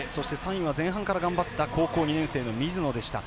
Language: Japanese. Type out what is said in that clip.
３位は前半から頑張った高校２年生の水野でした。